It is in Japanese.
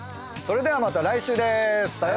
それではまた来週です！